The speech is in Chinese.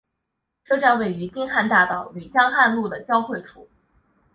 车站位于京汉大道与江汉路的交汇处。